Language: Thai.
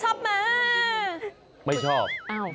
ไม่ชอบ